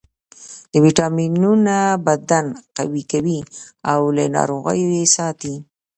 ویټامینونه بدن قوي کوي او له ناروغیو یې ساتي